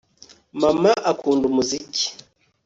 Mama akunda umuziki